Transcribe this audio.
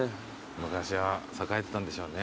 昔は栄えてたんでしょうね。